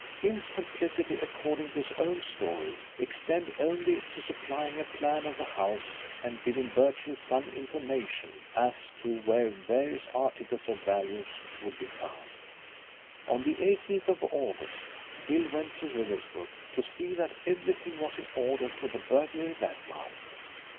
"Hill's complicity, according to his own story, extended only to supplying a plan of the house and giving Birchill some information as to where various articles of value would be found. On the 18th of August Hill went to Riversbrook to see that everything was in order for the burglary that night.